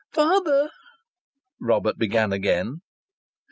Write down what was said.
"Father!" Robert began again.